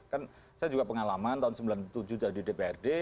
kan saya juga pengalaman tahun sembilan puluh tujuh jadi dprd